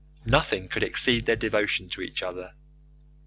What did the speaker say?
Nothing could exceed their devotion to each other.